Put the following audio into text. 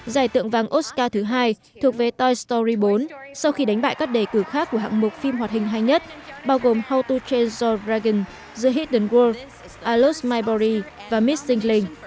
giải tượng vang oscar thứ hai thuộc về toy story bốn sau khi đánh bại các đề cử khác của hạng mục phim hoạt hình hay nhất bao gồm how to train your dragon the hidden world i lost my body và missing link